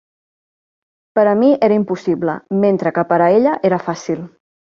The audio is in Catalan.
Per a mi era impossible, mentre que per a ella era fàcil.